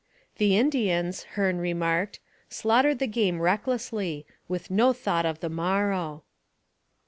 The Indians, Hearne remarked, slaughtered the game recklessly, with no thought of the morrow.